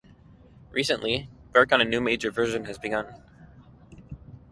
Recently work on a new major version has begun.